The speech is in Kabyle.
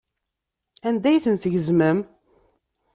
Anda ay ten-tgezmem?